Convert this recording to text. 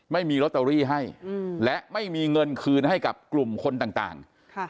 ไม่มีลอตเตอรี่ให้และไม่มีเงินคืนให้กับกลุ่มคนต่าง